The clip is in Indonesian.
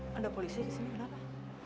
kok ada polisnya disini kenapa